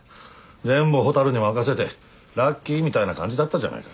全部蛍に任せてラッキーみたいな感じだったじゃないか。